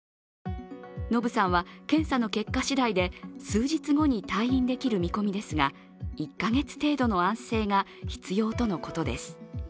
ノブさんは検査の結果しだいで数日後に退院できる見込みですが１カ月程度の安静が必要とのことです。